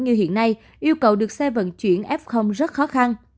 như hiện nay yêu cầu được xe vận chuyển f rất khó khăn